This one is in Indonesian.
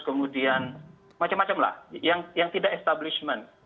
kemudian macam macam lah yang tidak establishment